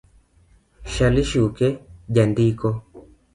Shali Shuke - Jandiko